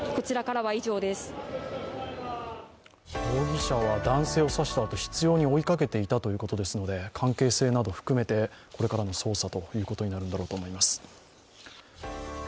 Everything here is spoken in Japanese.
容疑者は男性を刺したあと執ように追いかけていたということですので関係性など含めてこれからの捜査ということになるんだろうと思います。